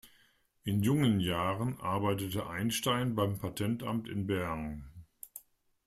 In jungen Jahren arbeitete Einstein beim Patentamt in Bern.